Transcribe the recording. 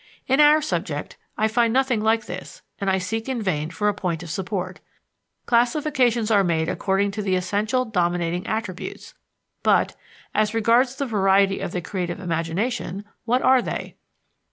In our subject I find nothing like this and I seek in vain for a point of support. Classifications are made according to the essential dominating attributes; but, as regards the varieties of the creative imagination, what are they?